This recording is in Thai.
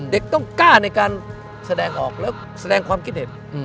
เด็กต้องกล้าในการแสดงออกแล้วแสดงความคิดเห็น